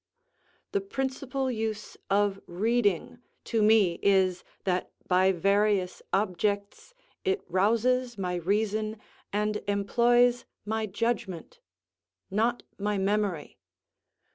The principal use of reading to me is, that by various objects it rouses my reason, and employs my judgment, not my memory.